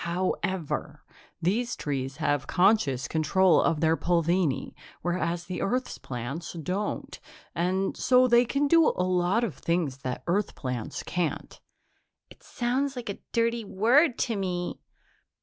"However, these trees have conscious control of their pulvini, whereas the Earth's plants don't, and so they can do a lot of things that Earth plants can't." "It sounds like a dirty word to me."